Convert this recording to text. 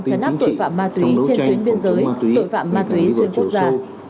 chấn áp tội phạm ma túy trên tuyến biên giới tội phạm ma túy xuyên quốc gia